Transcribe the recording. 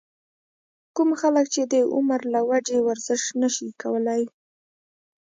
کوم خلک چې د عمر له وجې ورزش نشي کولے